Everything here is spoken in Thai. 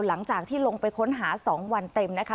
หลังจากที่ลงไปค้นหา๒วันเต็มนะคะ